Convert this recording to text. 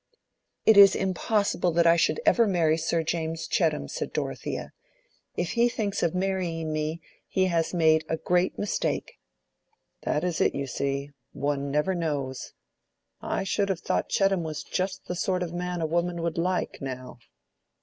"It is impossible that I should ever marry Sir James Chettam," said Dorothea. "If he thinks of marrying me, he has made a great mistake." "That is it, you see. One never knows. I should have thought Chettam was just the sort of man a woman would like, now."